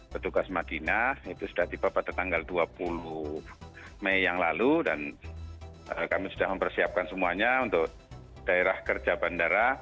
petugas madinah itu sudah tiba pada tanggal dua puluh mei yang lalu dan kami sudah mempersiapkan semuanya untuk daerah kerja bandara